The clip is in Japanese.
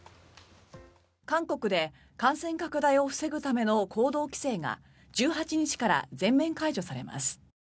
韓国で感染拡大を防ぐための行動規制が１８日から全面解除されます。